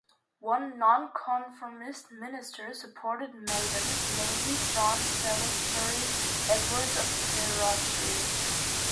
One nonconformist minister, supported Mabon, namely John Salisbury Edwards of Treorchy.